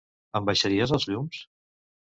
Em baixaries els llums?